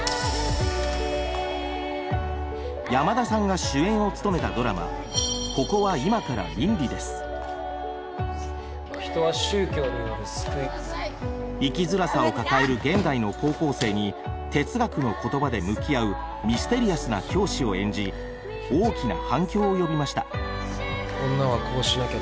山田さんが主演を務めたドラマ生きづらさを抱える現代の高校生に哲学の言葉で向き合うミステリアスな教師を演じ大きな反響を呼びました。